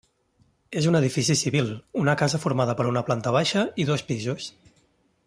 És un edifici civil, una casa formada per una planta baixa i dos pisos.